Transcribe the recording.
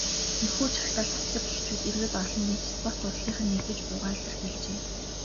Энэхүү жагсаалд эцэг эхчүүд, иргэд олон нийт, спорт, урлагийнхан нэгдэж буйгаа илэрхийлжээ.